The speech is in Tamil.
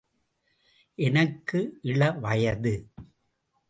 எனக்கு இள வயது.